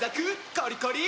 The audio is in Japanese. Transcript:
コリコリ！